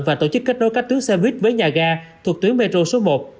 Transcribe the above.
và tổ chức kết nối các tuyến xe buýt với nhà ga thuộc tuyến metro số một